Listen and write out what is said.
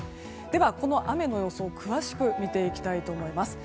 では、この雨の予想詳しく見ていきたいと思います。